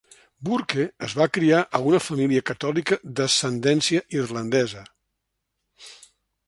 Burke es va criar a una família catòlica d'ascendència irlandesa.